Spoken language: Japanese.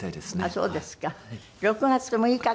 あっそうですか。